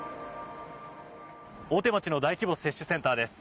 大手町の大規模接種センターです。